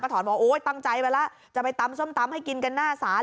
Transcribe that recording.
ป้าถอนบอกโอ้ตั้งใจไปละจะไปทำส้มตำให้กินกันหน้าศาสตร์